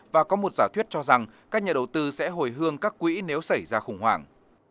và có một giả thuyết cho rằng các nhà đầu tư sẽ hồi hương các quỹ nếu xảy ra khủng hoảng